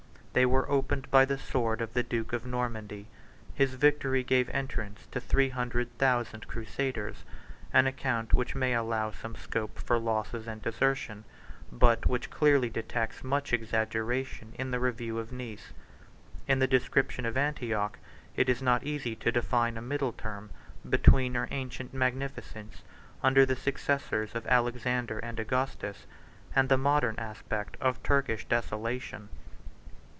They were opened by the sword of the duke of Normandy: his victory gave entrance to three hundred thousand crusaders, an account which may allow some scope for losses and desertion, but which clearly detects much exaggeration in the review of Nice. In the description of Antioch, 90 it is not easy to define a middle term between her ancient magnificence, under the successors of Alexander and Augustus, and the modern aspect of Turkish desolation.